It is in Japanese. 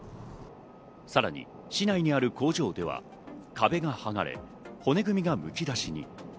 さらに市内にある工場では壁がはがれ、骨組みがむき出しに。